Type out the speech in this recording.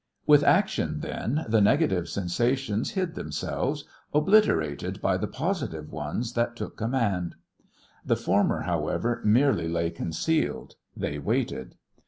With action, then, the negative sensations hid themselves, obliterated by the positive ones that took command. The former, however, merely lay concealed; they waited.